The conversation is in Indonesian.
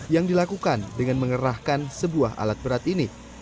yang dilakukan dengan mengerahkan sebuah alat berat ini